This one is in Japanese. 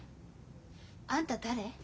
あんた誰？